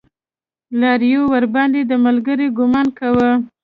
لارويو ورباندې د ملګرو ګمان کوه.